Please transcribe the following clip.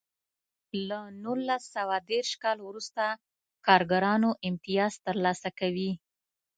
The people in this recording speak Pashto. له نولس سوه دېرش کال وروسته کارګرانو امتیاز ترلاسه کوی.